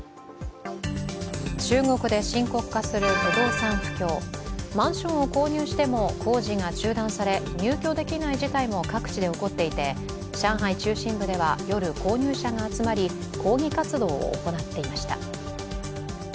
中国で深刻化する不動産不況、マンションを購入しても工事が中断され入居できない事態も各地で起こっていて、上海中心部では夜、購入者が集まり抗議活動を行っていました。